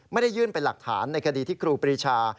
ยื่นเป็นหลักฐานในคดีที่ครูปรีชา